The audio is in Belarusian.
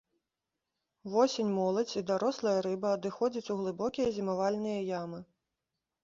Увосень моладзь і дарослая рыба адыходзіць у глыбокія зімавальныя ямы.